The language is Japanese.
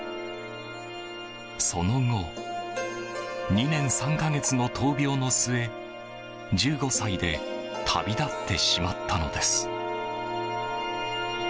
その後、２年３か月の闘病の末１５歳で旅立ってしまったのです。